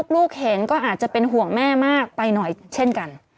ลูกเห็นก็อาจจะเป็นห่วงแม่มากไปหน่อยเช่นกัน